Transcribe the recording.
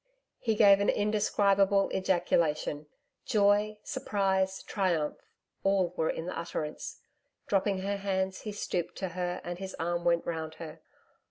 He gave an indescribable ejaculation joy, surprise, triumph all were in the utterance. Dropping her hands, he stooped to her and his arm went round her.